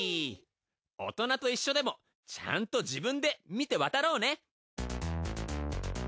大人と一緒でもちゃんと自分で見て渡ろうね！